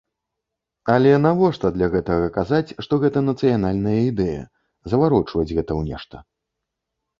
Але навошта для гэтага казаць, што гэта нацыянальная ідэя, заварочваць гэта ў нешта?